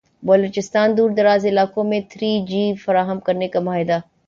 بلوچستان دوردراز علاقوں میں تھری جی فراہم کرنے کا معاہدہ